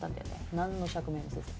なんの釈明もせず。